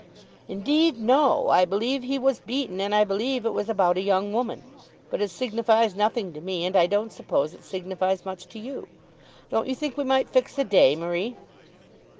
"Indeed, no. I believe he was beaten, and I believe it was about a young woman. But it signifies nothing to me, and I don't suppose it signifies much to you. Don't you think we might fix a day, Marie?"